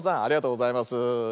「ありがとうございます」。